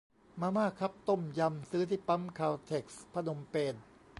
มาม่าคัพต้มยำ ซื้อที่ปั๊มคาลเท็กซ์พนมเปญ